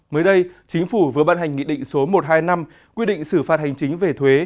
mới đây chính phủ vừa ban hành nghị định số một trăm hai mươi năm quy định xử phạt hành chính về thuế